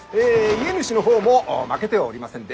家主の方も負けてはおりませんで。